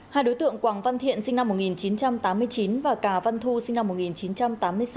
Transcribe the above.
hai đối tượng quảng văn thiện sinh năm một nghìn chín trăm tám mươi chín và cà văn thu sinh năm một nghìn chín trăm tám mươi sáu